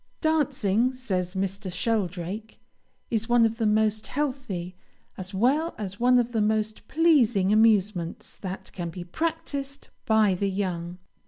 "Dancing," says Mr. Sheldrake, "is one of the most healthy, as well as one of the most pleasing amusements that can be practised by the young.